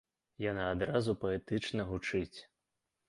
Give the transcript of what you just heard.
Яна адразу паэтычна гучыць.